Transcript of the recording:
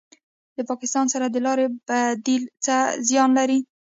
د پاکستان سره د لارې بندیدل څه زیان لري؟